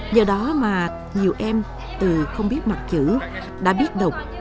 do đó mà nhiều em từ không biết mặt chữ đã biết đọc